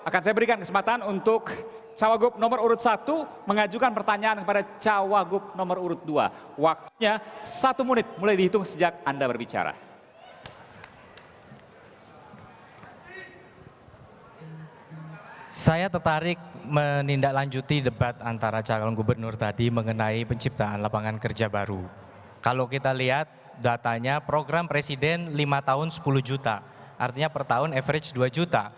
kita lihat datanya program presiden lima tahun sepuluh juta artinya per tahun average dua juta